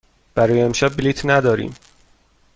برای امشب بلیط نداریم.